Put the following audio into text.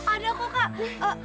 ada aku kak